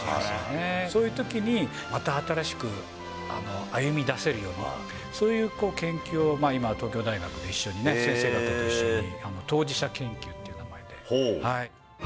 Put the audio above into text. そういうときに、また新しく歩み出せるように、そういう研究を今、東京大学で一緒に、先生方と一緒に、当事者研究っていう名前で。